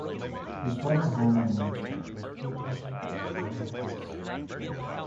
His former home on Main Street was purchased by Jerome Case.